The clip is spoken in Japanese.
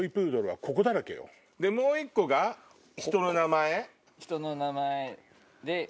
もう１個が人の名前？